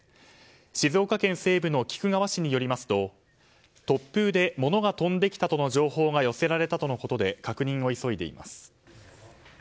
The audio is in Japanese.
静岡県西部の菊川市によりますと突風で物が飛んできたとの情報が寄せられたとのことで確認を急いでいます。